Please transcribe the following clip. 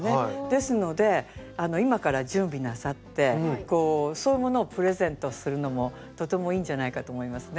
ですので今から準備なさってそういうものをプレゼントするのもとてもいいんじゃないかと思いますね。